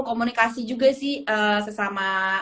komunikasi juga sih sesama